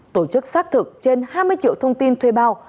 tổ chức xác thực trên hai mươi triệu thông tin thuê bao